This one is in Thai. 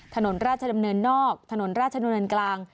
ถนนราชดำเนินนอกถนนราชดำเนินกลาง